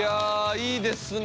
いいですね。